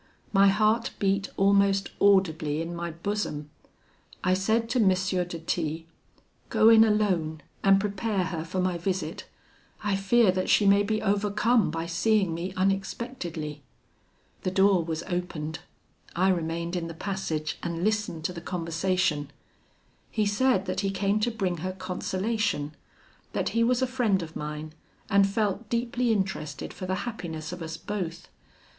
My heart beat almost audibly in my bosom. I said to M. de T , 'Go in alone, and prepare her for my visit; I fear that she may be overcome by seeing me unexpectedly.' The door was opened. I remained in the passage, and listened to the conversation. He said that he came to bring her consolation; that he was a friend of mine, and felt deeply interested for the happiness of us both.